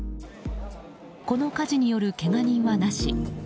この火事によるけが人はなし。